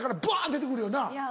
出て来るよな。